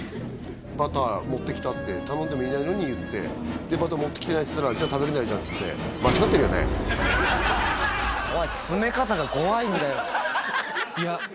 「バター持ってきた？」って頼んでもいないのに言ってバター持ってきてないっつったらじゃあ食べれないじゃんっつって怖い詰め方が怖いんだよ